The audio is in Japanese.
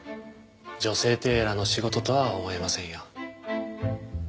女性テーラーの仕事とは思えませんよ。